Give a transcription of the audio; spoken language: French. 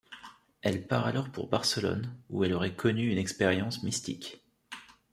Elle part alors pour Barcelone, où elle aurait connu une expérience mystique.